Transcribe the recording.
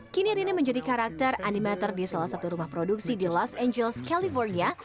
kini rini menjadi karakter animeter di salah satu rumah produksi di los angeles california